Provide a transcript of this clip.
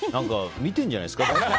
見ているんじゃないんですか？